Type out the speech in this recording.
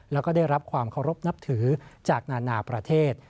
แล้วก็ได้รับความเคารพนับถือจากนานาประเทศ